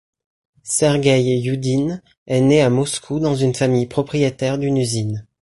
Sergueï Youdine est né à Moscou dans une famille propriétaire d'une usine.